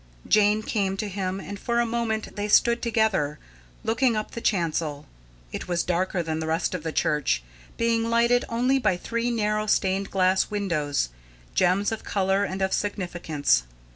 Jane came to him, and for a moment they stood together, looking up the chancel. It was darker than the rest of the church, being lighted only by three narrow stained glass windows, gems of colour and of significance.